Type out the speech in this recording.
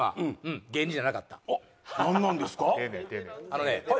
あのね